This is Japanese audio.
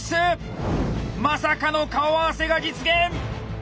まさかの顔合わせが実現！